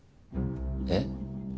えっ？